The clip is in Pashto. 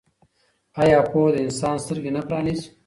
آیا پوهه د انسان سترګې نه پرانیزي؟